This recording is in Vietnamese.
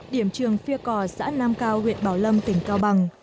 điểm trường phi cò xã nam cao huyện bảo lâm tỉnh cao bằng